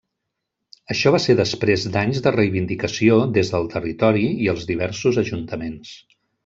Això va ser després d'anys de reivindicació des del territori i els diversos ajuntaments.